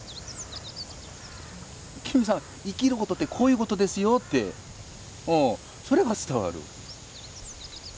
金さん生きることってこういうことですよってそれが伝わる。